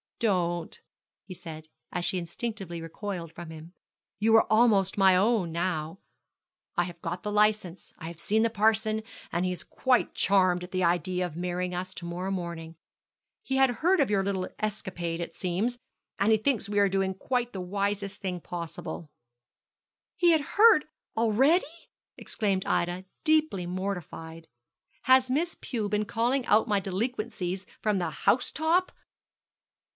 'Don't,' he said, as she instinctively recoiled from him; 'you are almost my own now. I have got the licence, I have seen the parson, and he is quite charmed at the idea of marrying us to morrow morning. He had heard of your little escapade, it seems, and he thinks we are doing quite the wisest thing possible.' 'He had heard already!' exclaimed Ida, deeply mortified. 'Has Miss Pew been calling out my delinquencies from the house top?